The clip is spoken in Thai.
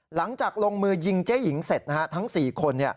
หลังจากลงมือยิงเจ๊หญิงเสร็จทั้ง๔คน